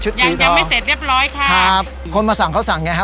ยังยังไม่เสร็จเรียบร้อยค่ะครับคนมาสั่งเขาสั่งไงฮะ